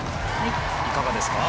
いかがですか？